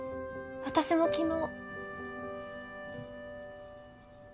私も昨日。